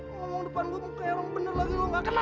ngomong depan gue kayak orang bener lagi lo nggak kenal